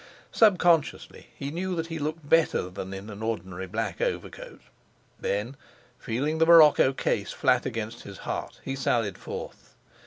Subconsciously, he knew that he looked better thus than in an ordinary black overcoat. Then, feeling the morocco case flat against his heart, he sallied forth.